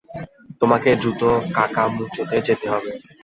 তোমাকে দ্রুত কাকামুচোতে যেতে হবে।